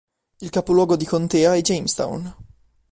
Il capoluogo di contea è Jamestown.